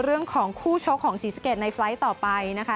เรื่องของคู่ชกของศรีสะเกดในไฟล์ต่อไปนะคะ